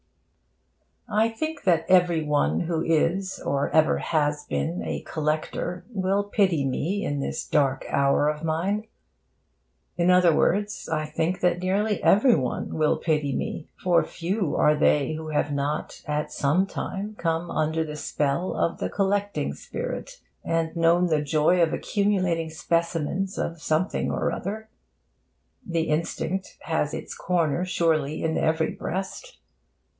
I think that every one who is or ever has been a collector will pity me in this dark hour of mine. In other words, I think that nearly every one will pity me. For few are they who have not, at some time, come under the spell of the collecting spirit and known the joy of accumulating specimens of something or other. The instinct has its corner, surely, in every breast.